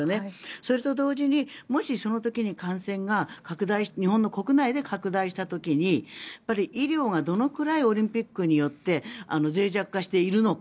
それと同時にもし、その時に感染が日本の国内で拡大した時に医療がどのくらいオリンピックによってぜい弱化しているのか。